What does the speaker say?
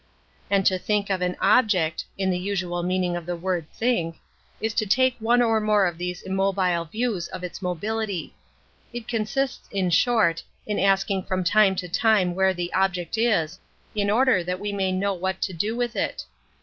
And to think of an object — in the usual meaning of the word " think "— is to take one or more of these immobile views of its mobility. It consists, in short, in asking from time to time where the object is, in order that we may know what to do with it.